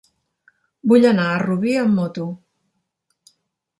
Vull anar a Rubí amb moto.